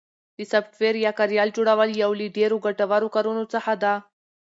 د سافټویر یا کاریال جوړل یو له ډېرو ګټورو کارونو څخه ده